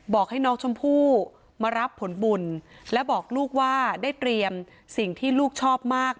บอกให้น้องชมพู่มารับผลบุญและบอกลูกว่าได้เตรียมสิ่งที่ลูกชอบมาก